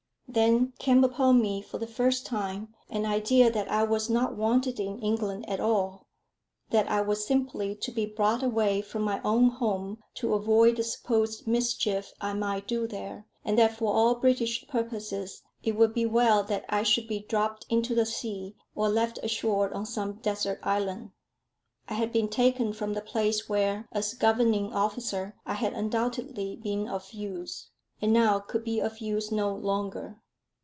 Then came upon me for the first time an idea that I was not wanted in England at all, that I was simply to be brought away from my own home to avoid the supposed mischief I might do there, and that for all British purposes it would be well that I should be dropped into the sea, or left ashore on some desert island. I had been taken from the place where, as governing officer, I had undoubtedly been of use, and now could be of use no longer.